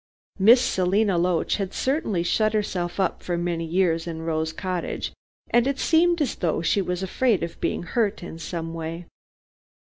Miss Selina Loach had certainly shut herself up for many years in Rose Cottage, and it seemed as though she was afraid of being hurt in some way.